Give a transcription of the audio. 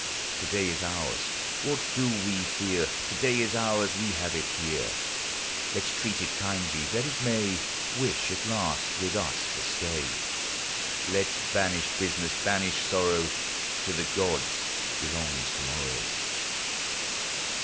To day is ours, what do we fear? To day is ours ; we have it here : Let 's treat it kindly, that it may Wish, at least, with us to stay. Let *s banish business, banish sorrow; To the gods belongs to morrow.